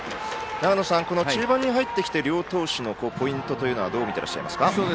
長野さん、中盤に入ってきて両投手のポイントはどう見ていらっしゃいますか？